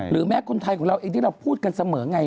แม้คนไทยของเราเองที่เราพูดกันเสมอไง